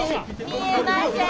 見えません。